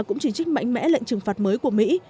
cũng chỉ trích mạnh mẽ lệnh trừng phạt mới của mỹ